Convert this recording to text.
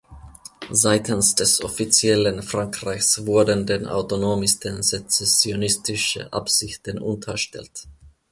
Seitens des offiziellen Frankreichs wurden den Autonomisten sezessionistische Absichten unterstellt.